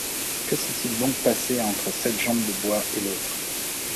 Que s’était-il donc passé entre cette jambe de bois et l’autre?